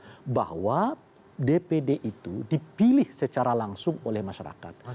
prinsip yang awal adalah bahwa dpd itu dipilih secara langsung oleh masyarakat